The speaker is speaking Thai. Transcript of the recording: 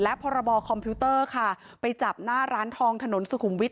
และพรบคอมพิวเตอร์ค่ะไปจับหน้าร้านทองถนนสุขุมวิท